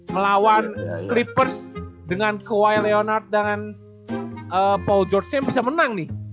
melawan clippers dengan coway leonard dengan paul george bisa menang nih